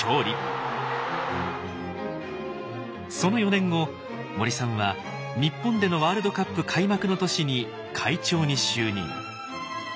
その４年後森さんは日本でのワールドカップ開幕の年に会長に就任。